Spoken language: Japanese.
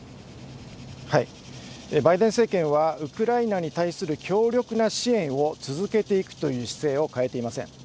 バイデン政権はウクライナに対する強力な支援を続けていくという姿勢を変えていません。